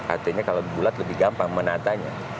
artinya kalau bulat lebih gampang menatanya